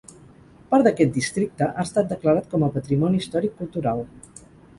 Part d'aquest districte ha estat declarat com a patrimoni històric cultural.